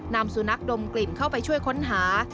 นำสุนัขดมกลิ่นเข้าไปช่วยค้นหา